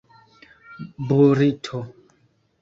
burito